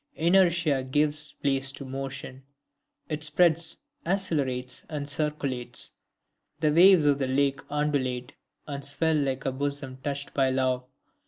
Inertia gives place to motion, it spreads, accelerates and circulates. The waves of the lake undulate and swell like a bosom touched by love.